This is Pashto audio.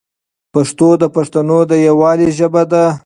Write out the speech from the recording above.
پښتو د پښتنو د یووالي ژبه ده.